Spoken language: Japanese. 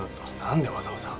何でわざわざ？